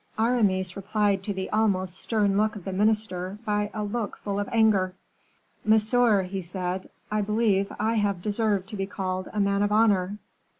Aramis replied to the almost stern look of the minister by a look full of anger. "Monsieur," he said, "I believe I have deserved to be called a man of honor?